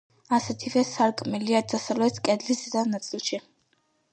ასეთივე სარკმელია დასავლეთ კედლის ზედა ნაწილში.